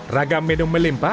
ragam menu melimpa